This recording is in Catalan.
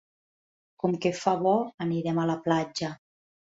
Com que fa bo anirem a la platja.